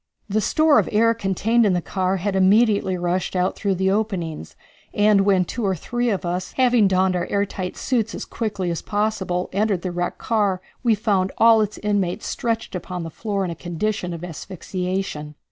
The store of air contained in the car had immediately rushed out through the openings, and when two or three of us, having donned our air tight suits as quickly as possible, entered the wrecked car we found all its inmates stretched upon the floor in a condition of asphyxiation.